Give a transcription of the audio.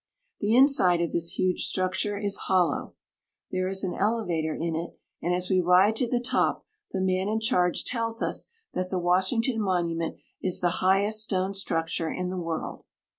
The inside of this huge structure is hollow. There is an elevator in it, and as we ride to the top the man in charge tells us that the Washington Monument is the highest stone structure in the world.